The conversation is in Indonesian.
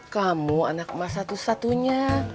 kamu anak emas satu satunya